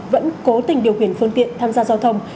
vẫn cố tình điều khiển phương tiện tham gia giao thông